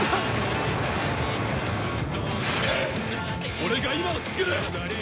俺が今を創る！